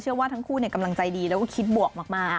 เชื่อว่าทั้งคู่เนี่ยกำลังใจดีแล้วก็คิดบวกมาก